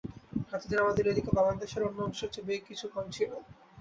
এতদিন আমাদের এ দিকে বাংলাদেশের অন্য অংশের চেয়ে বেগ কিছু কম ছিল।